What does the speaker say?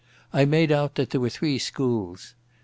I made out that there were three schools.